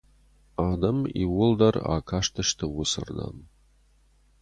Адӕм иууылдӕр акастысты уыцырдӕм.